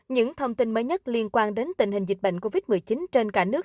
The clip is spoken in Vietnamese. những thông tin mới nhất liên quan đến tình hình dịch bệnh covid một mươi chín trên cả nước